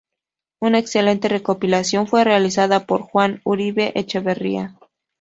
Una excelente recopilación fue realizada por Juan Uribe Echevarría.